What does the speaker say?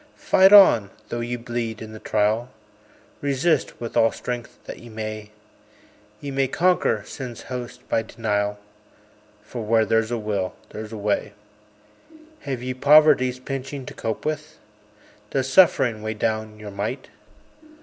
Fight on, though ye bleed in the trial, Resist with all strength that ye may; Ye may conquer Sin's host by denial; For "Where there's a will there's a way." Have ye Poverty's pinching to cope with? Does Suffering weigh down your might?